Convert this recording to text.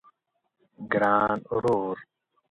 ګران ورور